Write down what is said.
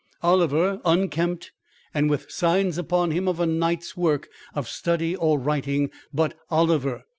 Oliver unkempt and with signs upon him of a night's work of study or writing; but Oliver!